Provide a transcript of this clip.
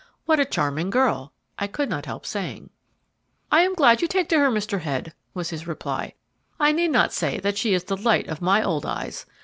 "What a charming girl!" I could not help saying. "I am glad you take to her, Mr. Head," was his reply; "I need not say that she is the light of my old eyes.